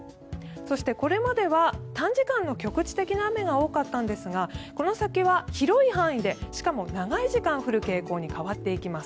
そして、これまでは短時間の局地的な雨が多かったんですがこの先は広い範囲でしかも長い時間降る傾向に変わっていきます。